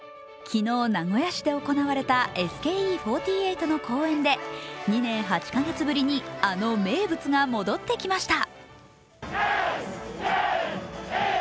昨日、名古屋市で行われたＳＫＥ４８の公演で２年８カ月ぶりにあの名物が戻ってきました。